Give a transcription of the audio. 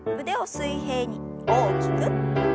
腕を水平に大きく。